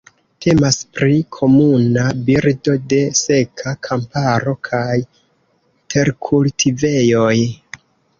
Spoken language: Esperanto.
Temas pri komuna birdo de seka kamparo kaj terkultivejoj.